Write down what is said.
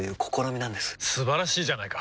素晴らしいじゃないか！